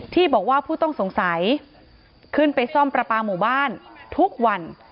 ที่บอกว่าผู้ต้องสงสัยขึ้นไปซ่อมประปาหมู่บ้านทุกวัน